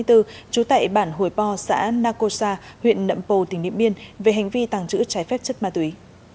trú tại bản hồi bò xã nako sa huyện nậm pồ tỉnh niệm biên về hành vi tàng trữ trái phép chất ma túy